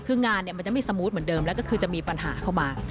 คืองานมันจะไม่สมูทเหมือนเดิมแล้วก็คือจะมีปัญหาเข้ามา